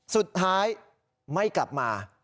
สุดท้ายไม่กลับมา